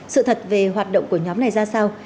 sự thật về hoạt động của nhóm này ra sao